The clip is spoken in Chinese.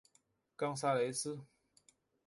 冈萨雷斯。